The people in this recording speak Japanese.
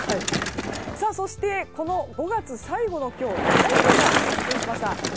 そして、この５月最後の今日台風が発生しました。